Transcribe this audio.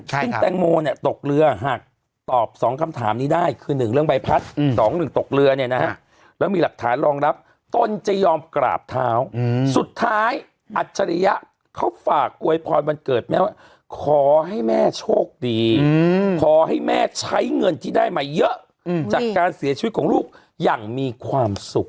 ซึ่งแตงโมเนี่ยตกเรือหากตอบ๒คำถามนี้ได้คือ๑เรื่องใบพัด๒๑ตกเรือเนี่ยนะฮะแล้วมีหลักฐานรองรับตนจะยอมกราบเท้าสุดท้ายอัจฉริยะเขาฝากอวยพรวันเกิดแม่ว่าขอให้แม่โชคดีขอให้แม่ใช้เงินที่ได้มาเยอะจากการเสียชีวิตของลูกอย่างมีความสุข